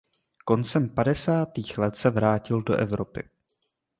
Koncem padesátých let se vrátil do Evropy.